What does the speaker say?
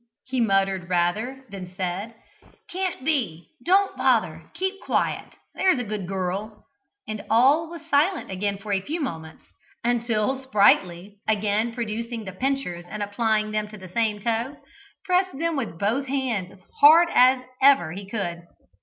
he muttered rather than said; "can't be don't bother keep quiet, there's a good girl," and all was silent again for a few moments, until Sprightly, again producing the pincers and applying them to the same toe, pressed them with both hands as hard as ever he could.